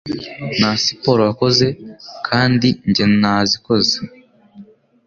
nta siporo wakoze knd njye nazikoze